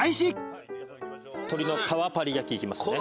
鶏の皮パリ焼きいきますね。